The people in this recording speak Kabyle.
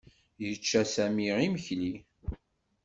Yečča Sami imekli.